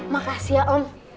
makasih ya om